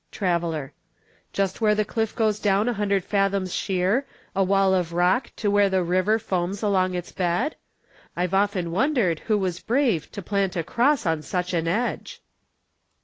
Traveler. Just where the cliff goes down A hundred fathoms sheer, a wall of rock To where the river foams along its bed? I've often wondered who was brave to plant A cross on such an edge.